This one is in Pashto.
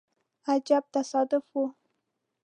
عجیب تصادف وو.